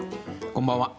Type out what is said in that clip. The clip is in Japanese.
こんばんは。